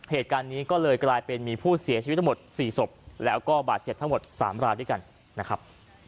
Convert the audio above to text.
เหตุการณ์นี้ก็เลยกลายเป็นมีผู้เสียชีวิตทั้งหมด๔ศพแล้วก็บาดเจ็บทั้งหมด๓รายด้วยกันนะครับ